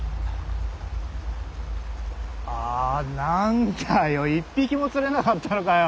あなんだよ一匹も釣れなかったのかよ。